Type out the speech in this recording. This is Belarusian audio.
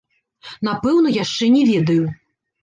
Напэўна яшчэ не ведаю.